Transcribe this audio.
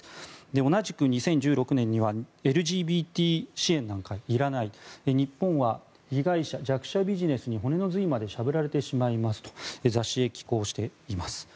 同じく２０１６年にはＬＧＢＴ支援なんかいらない日本は被害者、弱者ビジネスに骨の髄までしゃぶられてしまいますと雑誌へ寄稿しています。